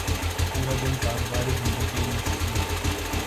پورا دن کاروبار زندگی میں مشغول